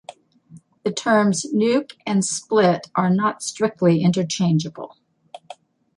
The terms 'nuc' and 'split' are not strictly interchangeable.